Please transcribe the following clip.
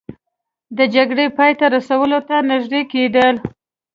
د جګړې پای ته رسولو ته نژدې کیدل